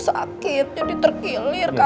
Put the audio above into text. sakit jadi terkilir kaki mama